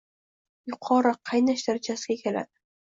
Yuqori «qaynash darajasi»ga keladi.